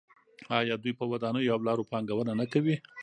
آیا دوی په ودانیو او لارو پانګونه نه کوي؟